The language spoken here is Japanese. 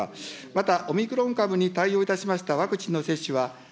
またオミクロン株に対応いたしましたワクチンの接種は、ＢＡ．